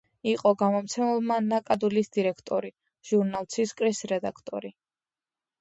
იყო გამომცემლობა „ნაკადულის“ დირექტორი, ჟურნალ „ცისკრის“ რედაქტორი.